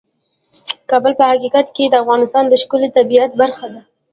کابل په حقیقت کې د افغانستان د ښکلي طبیعت برخه ده.